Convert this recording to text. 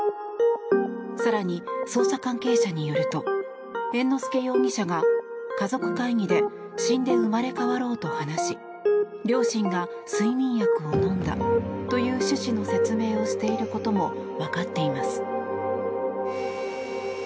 更に、捜査関係者によると猿之助容疑者が家族会議で死んで生まれ変わろうと話し両親が睡眠薬を飲んだという趣旨の説明をしていることも分かっています。